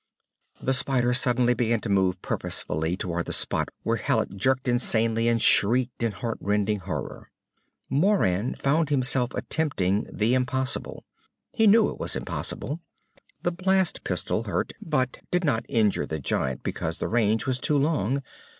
The spider suddenly began to move purposefully toward the spot where Hallet jerked insanely and shrieked in heart rending horror. Moran found himself attempting the impossible. He knew it was impossible. The blast pistol hurt but did not injure the giant because the range was too long.